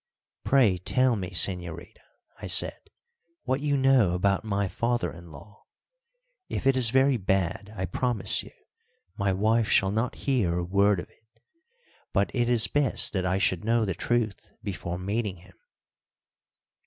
"Pray tell me, señorita," I said, "what you know about my father in law. If it is very bad, I promise you my wife shall not hear a word of it; but it is best that I should know the truth before meeting him."